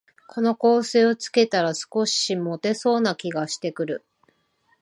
この香水をつけたら、少しもてそうな気がしてくる